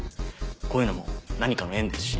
こういうのも何かの縁ですし。